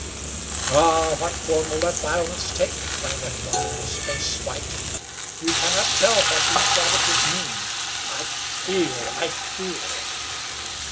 "Ah! What form will that violence take?" cried Heckewelder, his face white. "You cannot tell what these savages mean. I fear! I fear!"